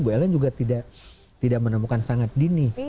bu ellen juga tidak menemukan sangat dini